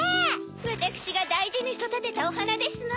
わたくしがだいじにそだてたおはなですの。